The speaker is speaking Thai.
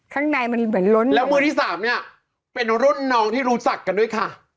ข้างในมันเหมือนล้นแล้วมือที่สามเนี้ยเป็นรุ่นน้องที่รู้จักกันด้วยค่ะ